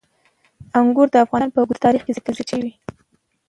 انګور د افغانستان په اوږده تاریخ کې ذکر شوي.